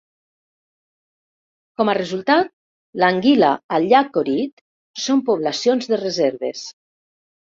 Com a resultat, l'anguila al llac Ohrid són poblacions de reserves.